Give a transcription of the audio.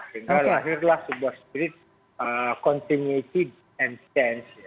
sehingga lahirlah sebuah spirit continuity